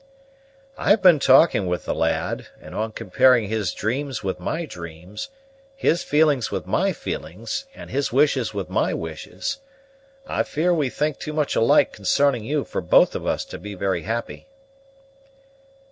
"I've been talking with the lad; and, on comparing his dreams with my dreams, his feelings with my feelings, and his wishes with my wishes, I fear we think too much alike consarning you for both of us to be very happy."